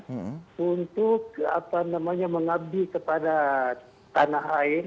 untuk mengabdi kepada tanah air